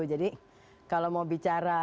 jadi kalau mau bicara